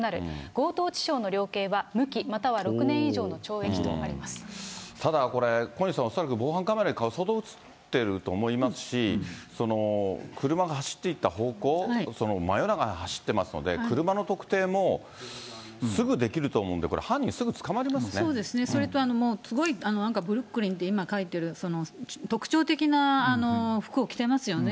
強盗致傷の量刑は無期、ただこれ、小西さん、恐らく防犯カメラに相当写ってると思いますし、車が走っていった方向、その真夜中に走ってますので、車の特定もすぐできると思うんで、これ、そうですね、それと、すごいブルックリンって今、書いてる、特徴的な服を着てますよね。